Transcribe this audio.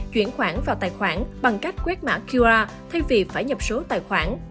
chuyển khoản vào tài khoản bằng cách quét mã qr thay vì phải nhập số tài khoản